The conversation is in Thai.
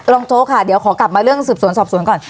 รองโชค่ะอยากกลับมาเรื่องสืบสวนสอบสวนนี้ก่อน